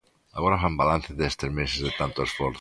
Agora fan balance destes meses de tanto esforzo.